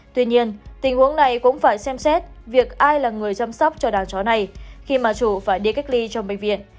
tuy nhiên tình huống này cũng phải xem xét việc ai là người chăm sóc cho đào chó này khi mà chủ phải đi cách ly trong bệnh viện